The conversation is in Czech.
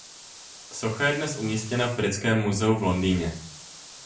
Socha je dnes je umístěna v Britském muzeu v Londýně.